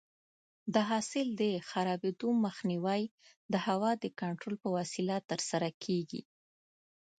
د حاصل د خرابېدو مخنیوی د هوا د کنټرول په وسیله ترسره کېږي.